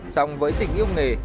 sòng với tình yêu nghề